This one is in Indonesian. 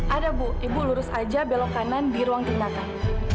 ada bu ibu lurus aja belok kanan di ruang tindakan